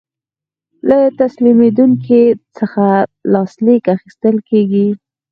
له تسلیمیدونکي څخه لاسلیک اخیستل کیږي.